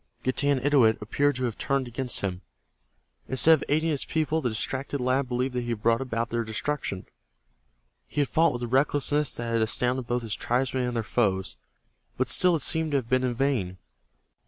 Getanittowit appeared to have turned against him. Instead of aiding his people, the distracted lad believed that he had brought about their destruction. He had fought with a recklessness that had astounded both his tribesmen and their foes, and still it seemed to have been in vain.